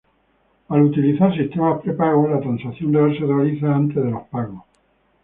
Al utilizar sistemas prepago, la transacción real se realiza antes de los pagos.